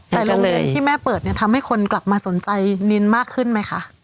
แต่โรงเรียนที่แม่เปิดเนี่ยทำให้คนกลับมาสนใจนินมากขึ้นไหมคะ